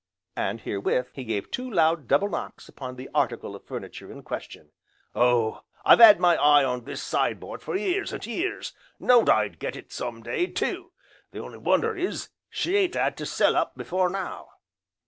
and herewith, he gave two loud double knocks upon the article of furniture in question. "Oh! I've 'ad my eye on this side board for years, and years, knowed I'd get it some day, too, the only wonder is as she ain't had to sell up afore now."